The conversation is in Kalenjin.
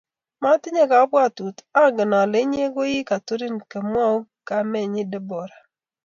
motinye kabwatut, angen ale inye ko ii katurin kimwoi kamenyi Deborah